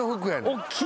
大きい。